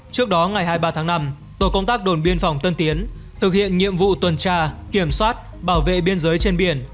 trước đó ngày hai mươi ba tháng năm tổ công tác đồn biên phòng tân tiến thực hiện nhiệm vụ tuần tra kiểm soát bảo vệ biên giới trên biển